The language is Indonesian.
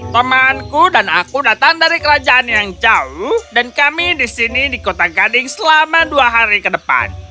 temanku dan aku datang dari kerajaan yang jauh dan kami di sini di kota gading selama dua hari ke depan